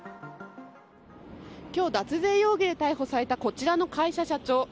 今日、脱税容疑で逮捕されたこちらの会社社長。